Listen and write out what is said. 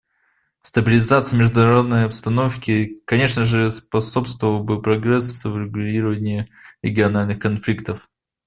Стабилизации международной обстановки, конечно же, способствовал бы прогресс в урегулировании региональных конфликтов.